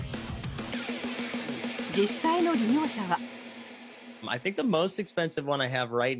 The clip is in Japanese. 実際の利用者は。